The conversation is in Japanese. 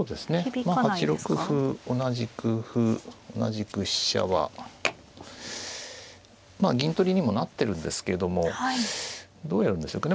まあ８六歩同じく歩同じく飛車はまあ銀取りにもなってるんですけれどもどうやるんでしょうかね。